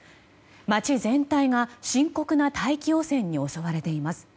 街全体が深刻な大気汚染に襲われています。